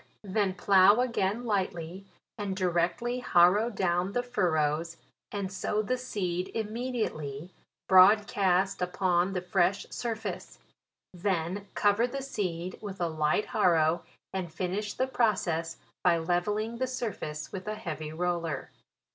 Then plough again lightly, and directly harrow down the furrows, and sow the seed immedi ately, broadcast upon the fresh surface ; then cover the seed with a light harrow, and finish the process by levelling the surface with a heavy roller.